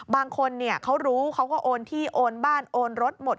บางคนเขารู้เขาก็โอนที่โอนบ้านโอนรถหมด